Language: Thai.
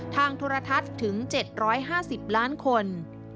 โทรทัศน์ถึง๗๕๐ล้านคน